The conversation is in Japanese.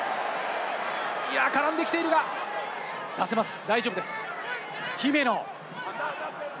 絡んできているが出せます、大丈夫です、姫野。